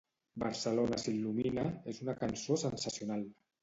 "Barcelona s'il·lumina" és una cançó sensacional.